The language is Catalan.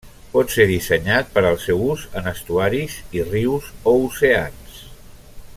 Pot ser dissenyat per al seu ús en estuaris i rius o oceans.